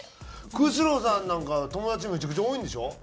久代さんなんかは友達めちゃくちゃ多いんでしょ？